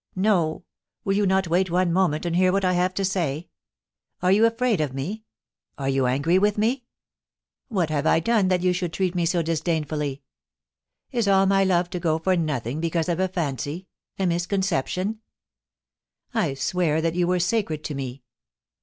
* No. Will you not wait one moment, and hear what I have to say ? Are you afraid of me ? Are you angry with me ? What have I done, that you should treat me so dis dainfully ? Is all my love to go for nothing because of a fancy — a misconception ?... I swear that you were sacred to me.